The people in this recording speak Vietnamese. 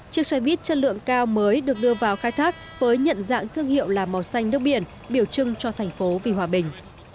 chiếc xe buýt chất lượng cao mới được đưa vào khai thác với nhận dạng thương hiệu là màu xanh nước biển biểu trưng cho thành phố vì hòa bình